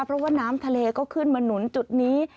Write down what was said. เพราะว่าน้ำทะเลก็ขึ้นมาหนุนจุดนี้